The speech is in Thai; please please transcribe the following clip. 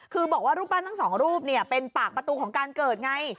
คือบอกว่ารูปปั้นทั้งสองรูปเป็นปากประตูของการเกิดไง